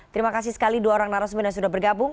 terima kasih sekali dua orang narasumber yang sudah bergabung